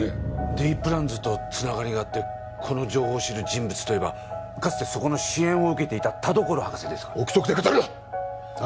Ｄプランズとつながりがあってこの情報を知る人物といえばかつてそこの支援を受けていた田所博士ですが臆測で語るな！